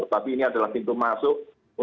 tetapi ini adalah pintu masuk